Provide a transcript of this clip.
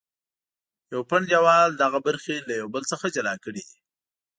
یو پنډ دیوال دغه برخې له یو بل څخه جلا کړې دي.